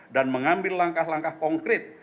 mengambil langkah langkah konkret